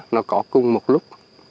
nó có cùng một lúc